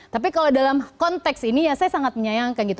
tapi kalau dalam konteks ini ya saya sangat menyayangkan gitu